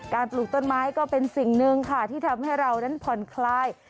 ปลูกต้นไม้ก็เป็นสิ่งหนึ่งค่ะที่ทำให้เรานั้นผ่อนคลาย